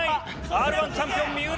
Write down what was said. Ｒ−１チャンピオン三浦